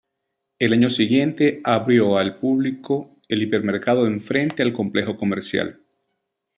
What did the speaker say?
El año siguiente abrió al público el hipermercado enfrente al complejo comercial.